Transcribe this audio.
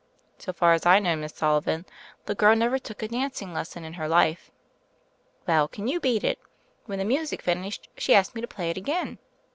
*'So far as I know, Miss Sullivan, the girl never took a dancing lesson in her life/\ "Well, can you beat it? When the music finished, she asked me to play it again.